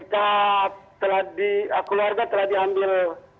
kita telah di keluarga telah diambil